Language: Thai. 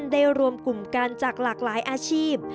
รวมกลุ่มกันจากหลากหลายอาชีพ